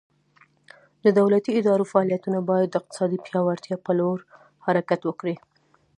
د دولتي ادارو فعالیتونه باید د اقتصادي پیاوړتیا په لور حرکت وکړي.